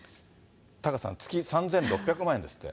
タカさん、月３６００万円ですって。